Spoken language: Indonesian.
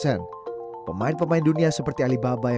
sektor ekonomi digital indonesia memang terus berkembang pesat